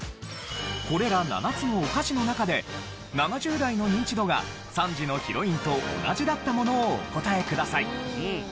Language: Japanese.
これら７つのお菓子の中で７０代のニンチドが３時のヒロインと同じだったものをお答えください。